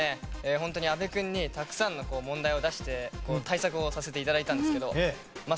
ホントに阿部君にたくさんの問題を出して対策をさせて頂いたんですけどまあ